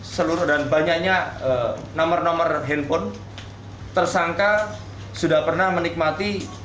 seluruh dan banyaknya nomor nomor handphone tersangka sudah pernah menikmati